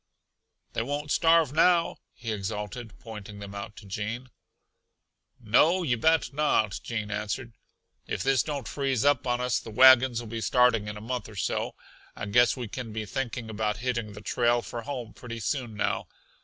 "They won't starve now," he exulted, pointing them out to Gene. "No, you bet not!" Gene answered. "If this don't freeze up on us the wagons 'll be starting in a month or so. I guess we can be thinking about hitting the trail for home pretty soon now.